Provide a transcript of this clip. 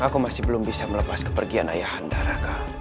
aku masih belum bisa melepas kepergian ayahanda raka